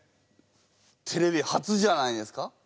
テレビ初じゃないですか？